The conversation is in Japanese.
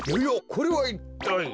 これはいったい。